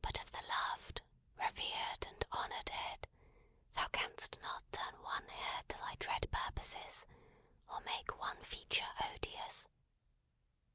But of the loved, revered, and honoured head, thou canst not turn one hair to thy dread purposes, or make one feature odious.